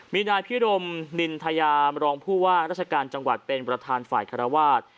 มีนายพิรมนินทยามรองผู้ว่าราชการจังหวัดเป็นประธานฝ่ายคารวาส